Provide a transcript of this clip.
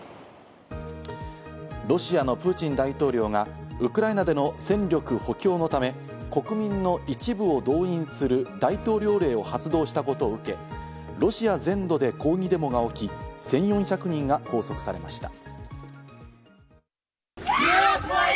ロシアのプーチン大統領がウクライナでの戦力補強のため、国民の一部を動員する大統領令を発動したことを受け、ロシア全土で抗議デモが起き、１４００人以上が拘束されました。